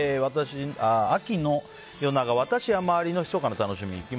秋の夜長私や周りのひそかな楽しみ